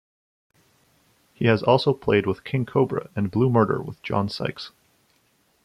He has also played with King Kobra and Blue Murder with John Sykes.